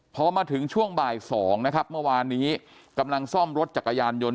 พอมาถึงช่วงบ่าย๒นะครับเมื่อวานนี้กำลังซ่อมรถจักรยานยนต